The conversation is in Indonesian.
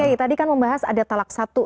pak gai tadi kan membahas ada talak satu